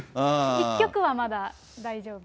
１曲はまだ大丈夫。